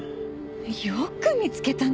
よく見つけたね。